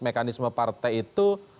mekanisme partai itu